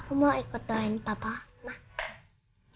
aku mau ikut doain papa